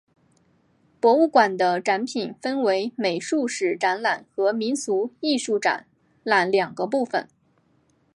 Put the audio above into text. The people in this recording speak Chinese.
博物馆的展品分为美术史展览和民俗艺术展览两个部分。